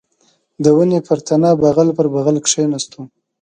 د ونې پر تنه بغل پر بغل کښېناستو.